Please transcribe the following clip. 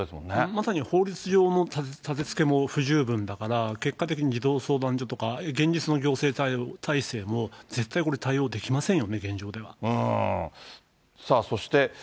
まさに法律上の建てつけも不十分だから、結果的に児童相談所とか、現実の行政体制も絶対これ、対応できませんよね、現状では。